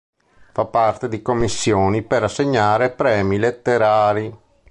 Fa parte di commissioni per assegnare premi letterari.